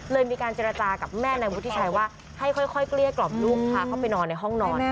มีการเจรจากับแม่นายวุฒิชัยว่าให้ค่อยเกลี้ยกล่อมลูกพาเข้าไปนอนในห้องนอน